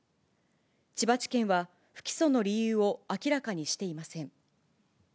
千葉地検は不起訴の理由を明らかにしていません。